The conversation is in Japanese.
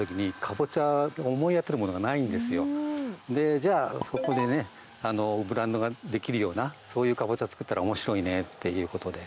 じゃあここでブランドができるようなカボチャができたら面白いねっていうことで。